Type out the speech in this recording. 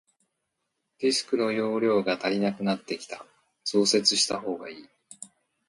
ディスクの容量が足りなくなってきた、増設したほうがいい。